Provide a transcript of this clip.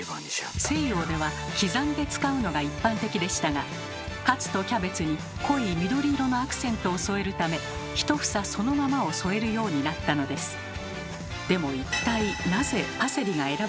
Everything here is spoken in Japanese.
西洋では刻んで使うのが一般的でしたがカツとキャベツに濃い緑色のアクセントを添えるため一房そのままを添えるようになったのです。